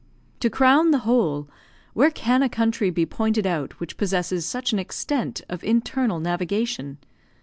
To crown the whole, where can a country be pointed out which possesses such an extent of internal navigation?